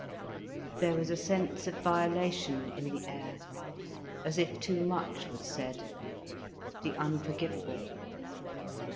There was a sense of violation in the air, as if too much was said, the unforgivable.